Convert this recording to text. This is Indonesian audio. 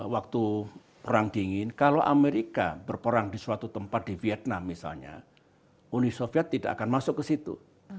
waktu perang dingin kalau amerika berperang di suatu tempat di vietnam misalnya uni soviet tidak akan masuk ke situ